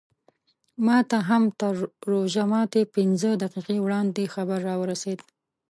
ماته هم تر روژه ماتي پینځه دقیقې وړاندې خبر راورسېد.